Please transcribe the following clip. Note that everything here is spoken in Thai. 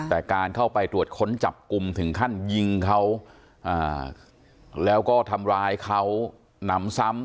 แต่การเข้าไปตรวจค้นจับกลุ่มถึงขั้นยิงเขาแล้วก็ทำร้ายเขาหนำซ้ำ